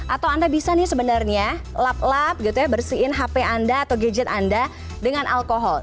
atau anda bisa nih sebenarnya lap lap gitu ya bersihin hp anda atau gadget anda dengan alkohol